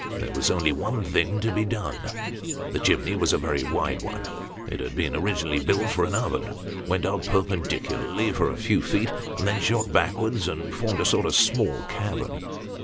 There was only one thing to be done. The chimney was a very wide one ; it had been originally built for an oven ; went tip perpendicularly for a few feet, and then shot backward and formed a sort of small cavern.